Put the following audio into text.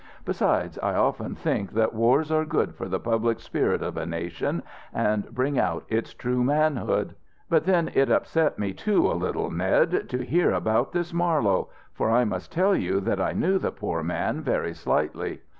Besides, I often think that wars are good for the public spirit of a nation, and bring out its true manhood. But then it upset me, too, a little, Ned, to hear about this Marlowe for I must tell you that I knew the poor man, very slightly.